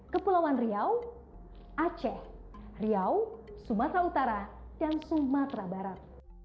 kepulauan riau aceh riau sumatera utara dan sumatera barat